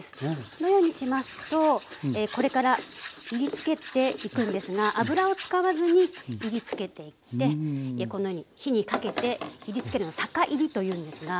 このようにしますとこれからいりつけていくんですが油を使わずにいりつけていってこのように火にかけていりつけるの「酒いり」というんですが。